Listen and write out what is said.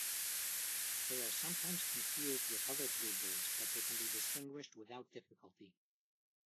They are sometimes confused with other bluebirds, but they can be distinguished without difficulty.